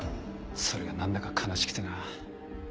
それが何だか悲しくてな。